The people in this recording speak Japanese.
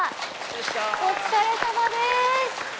お疲れさまです！